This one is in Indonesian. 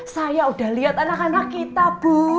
saya udah lihat anak anak kita bu